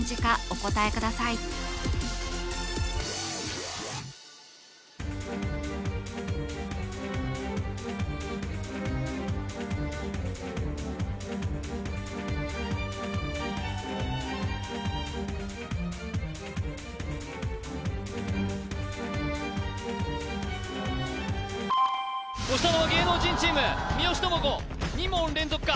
ください押したのは芸能人チーム三好智子２問連続か？